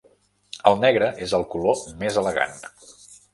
El negre és el color més elegant